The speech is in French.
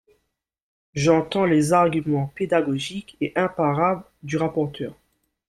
J’entends les arguments pédagogiques et imparables du rapporteur.